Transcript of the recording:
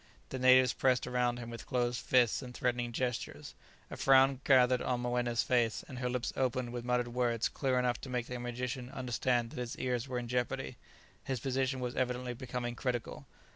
The natives pressed around him with closed fists and threatening gestures. A frown gathered on Moena's face, and her lips opened with muttered words clear enough to make the magician understand that his ears were in jeopardy. His position was evidently becoming critical.